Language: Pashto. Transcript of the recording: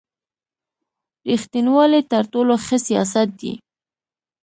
رېښتینوالي تر ټولو ښه سیاست دی.